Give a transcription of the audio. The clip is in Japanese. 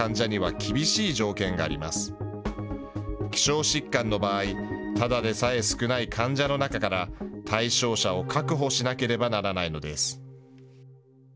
希少疾患の場合、ただでさえ少ない患者の中から、対象者を確保しなければならないのです。